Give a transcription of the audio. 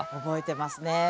覚えていますね。